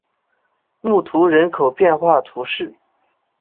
穆图人口变化图示